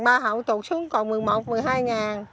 ba hậu tụt xuống còn một mươi một một mươi hai ngàn